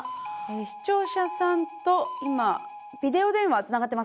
視聴者さんと今ビデオ電話つながってますか？